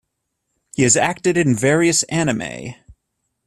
He has acted in various anime.